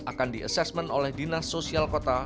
akan diasesmen oleh dinas sosial kota